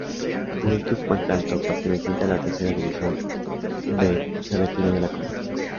Juventud Puente Alto, perteneciente a la Tercera División B, se retiró de la competición.